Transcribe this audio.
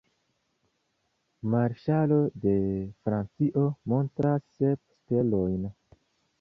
Marŝalo de Francio montras sep stelojn.